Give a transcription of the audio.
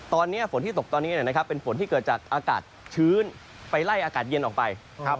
ตอนนี้ฝนที่ตกตอนนี้เป็นฝนที่เกิดจากอากาศชื้นไปไล่อากาศเย็นออกไป